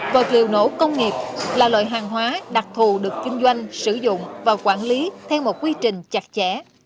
vật liều nổ công nghiệp là loại hàng hóa đặc thù được kinh doanh sử dụng và quản lý theo một quy trình chặt chẽ